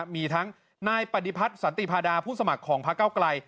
มีทั้งนายปฏิพัฒน์สันติพาดาผู้สมัครของพระเก้าไกล